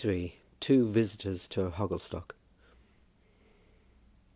TWO VISITORS TO HOGGLESTOCK.